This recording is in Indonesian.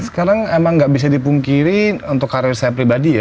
sekarang emang gak bisa dipungkiri untuk karir saya pribadi ya